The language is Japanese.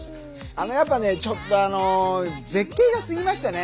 やっぱねちょっと絶景がすぎましたね